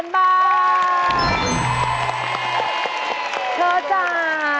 เชิญจ้า